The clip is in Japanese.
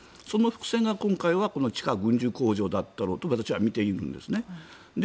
その伏線が今回は地下軍需工場だったろうと私は見ているんですね。